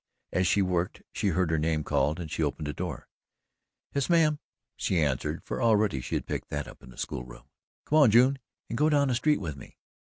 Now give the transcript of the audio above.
As she worked, she heard her name called and she opened the door. "Yes, mam!" she answered, for already she had picked that up in the school room. "Come on, June, and go down the street with me."